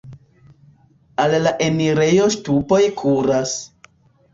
Al la enirejo ŝtupoj kuras.